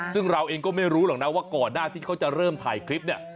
ซึ่งเราเองก็ไม่รู้หรอกนะว่าก่อนหน้าที่เขาจะเริ่มถ่ายคลิปเนี่ย